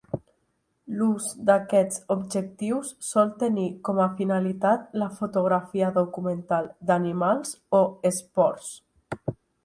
L'ús d'aquests objectius sol tenir com a finalitat la fotografia documental d'animals o esports.